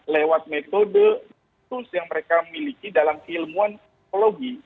lewat metode yang mereka miliki dalam ilmuwan psikologi